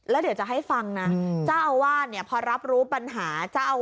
แล้วเดี๋ยวจะให้ฟังนะเจ้าอาวาสเนี่ยพอรับรู้ปัญหาเจ้า